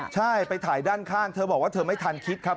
ใช่ไปถ่ายด้านข้างเธอบอกว่าเธอไม่ทันคิดครับ